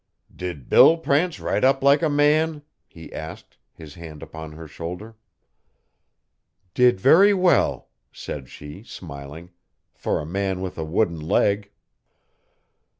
'Did Bill prance right up like a man?' he asked, his hand upon her shoulder. 'Did very well,' said she, smiling, 'for a man with a wooden leg.